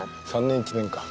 ３年１年か。